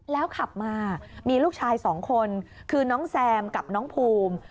แล้วขับมามีลูกชายสองคนคือน้องแซมกับน้องภูมิ